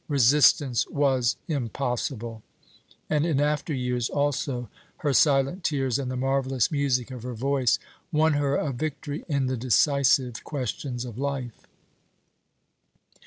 resistance was impossible; and in after years also her silent tears and the marvellous music of her voice won her a victory in the decisive questions of life.